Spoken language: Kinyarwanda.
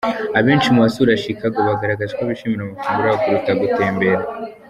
Abenshi mu basura Chicago, bagaragaje ko bishimira amafunguro yaho kuruta gutembera.